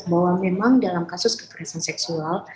bahwa memang dalam kasus kekerasan seksual